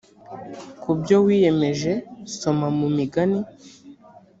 ku byo wiyemeje soma mu migani